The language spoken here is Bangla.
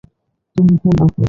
তুমি কোন আপদ?